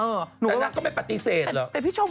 แต่นางก็ไม่ปฏิเสธ